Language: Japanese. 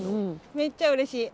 めっちゃうれしい。